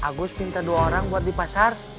agus minta dua orang buat di pasar